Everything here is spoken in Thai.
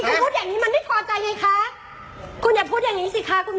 ถ้าพูดอย่างงี้มันไม่พอใจไงคะคุณอย่าพูดอย่างงี้สิคะคุณ